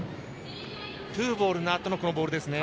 ツーボールのあとのこのボールですね。